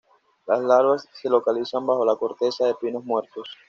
Las larvas se localizan bajo la corteza de pinos muertos.